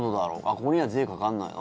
ここには税がかからない。